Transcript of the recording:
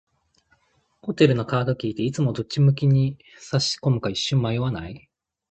ホテルのカードキーって、いつもどっち向きに差し込むか一瞬迷わない？